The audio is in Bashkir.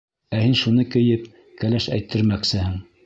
Ә һин шуны кейеп, кәләш әйттермәксеһең!